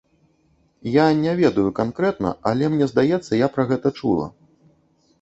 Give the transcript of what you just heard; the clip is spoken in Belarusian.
Я не ведаю канкрэтна, але мне здаецца, я пра гэта чула.